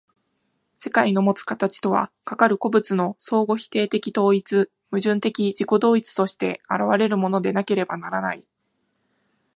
世界のもつ形とは、かかる個物の相互否定的統一、矛盾的自己同一として現れるものでなければならない。